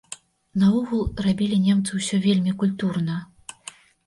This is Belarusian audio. Наогул рабілі немцы ўсё вельмі культурна.